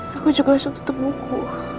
aku juga langsung ketemuku